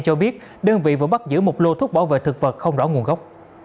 cho biết đơn vị vừa bắt giữ một lô thuốc bảo vệ thực vật không rõ nguồn gốc